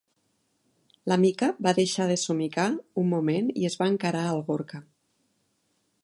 La Mica va deixar de somicar un moment i es va encarar al Gorka.